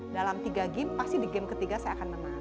dalam tiga game pasti di game ketiga saya akan menang